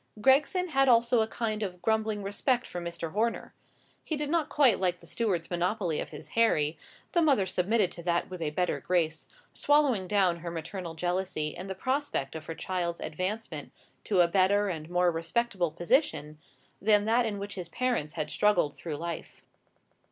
Gregson had also a kind of grumbling respect for Mr. Horner: he did not quite like the steward's monopoly of his Harry: the mother submitted to that with a better grace, swallowing down her maternal jealousy in the prospect of her child's advancement to a better and more respectable position than that in which his parents had struggled through life.